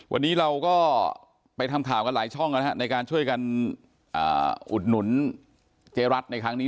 วันนี้เราก็ไปทำข่าวกันหลายช่องในการช่วยกันอุดหนุนเจ๊รัฐในครั้งนี้